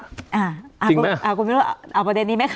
อ่าจริงไหมอ่ากูไม่รู้อ่าประเด็นนี้ไหมครับ